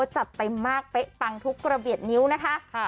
จัดเต็มมากเป๊ะปังทุกระเบียดนิ้วนะคะ